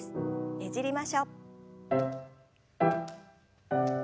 ねじりましょう。